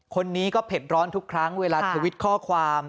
คนนี้ก็เผ็ดร้อนทุกครั้งเวลาทวิตข้อความ